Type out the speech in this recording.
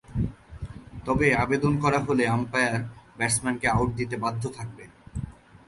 তবে আবেদন করা হলে আম্পায়ার ব্যাটসম্যানকে আউট দিতে বাধ্য থাকবেন।